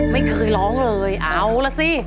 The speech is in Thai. ไม่เคยร้องเลยเอาล่ะสิ